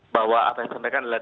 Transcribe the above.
bahwa apa yang saya sampaikan adalah